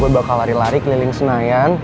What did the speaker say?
gue bakal lari lari keliling snyaen